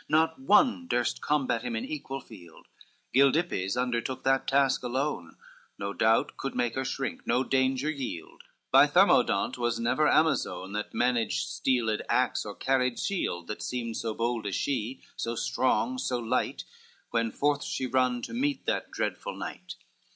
Not one durst combat him in equal field, Gildippes undertook that task alone; No doubt could make her shrink, no danger yield, By Thermodont was never Amazone, Who managed steeled axe, or carried shield, That seemed so bold as she, so strong, so light, When forth she run to meet that dreadful knight.